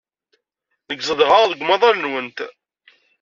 Nekk zedɣeɣ deg umaḍal-nwent.